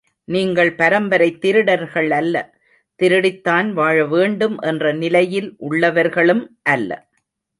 நீங்கள் பரம்பரைத் திருடர்களல்ல, திருடித்தான் வாழவேண்டும் என்ற நிலையில் உள்ளவர்களும் அல்ல.